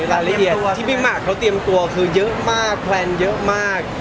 รายละเอียดตัวที่พี่หมากเขาเตรียมตัวคือเยอะมากแพลนเยอะมาก